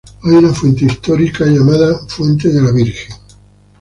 Hay una fuente histórica llamada Fuente de la Virgen.